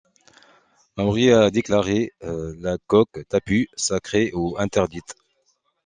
Māori a déclaré la coque tapu, sacrée ou interdite.